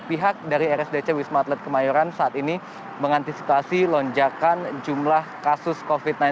pihak dari rsdc wisma atlet kemayoran saat ini mengantisipasi lonjakan jumlah kasus covid sembilan belas